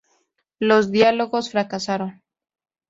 Los diálogos fracasaron.